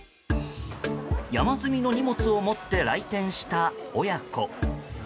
山積みの荷物を持って来店した親子。